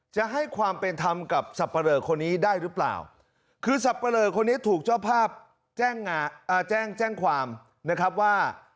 จะให้ความเป็นธรรมกับสับปะเลอคนนี้ได้หรือเปล่าคือสับปะเลอคนนี้ถูกเจ้าภาพแจ้งแจ้งความนะครับว่า